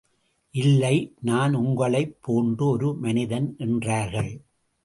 இல்லை நான் உங்களைப் போன்று ஒரு மனிதன் என்றார்கள்.